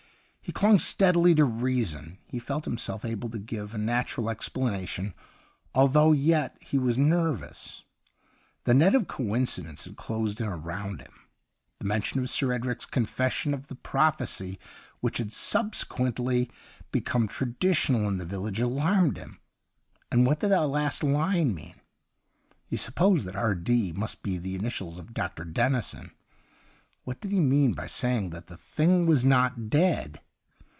He clung steadily to reason ; he felt himself able to give a natui'al ex planation all through, and yet he was nervous. The net of coinci dence had closed in around him ; the mention in Sir Edric's confession of the prophecy which had subse 155 THE UNDYING THING quently become traditional in the village alarmed him. And what did that last line mean ? He sup posed that R.D. must be the initials of Dr. Dennison. What did he mean by saying that the thing was not dead